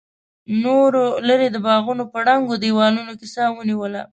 نورو ليرې د باغونو په ړنګو دېوالونو کې سا ونيوله.